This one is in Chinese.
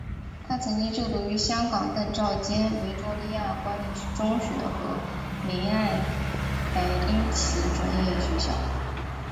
他曾经就读于香港邓肇坚维多利亚官立中学和明爱白英奇专业学校。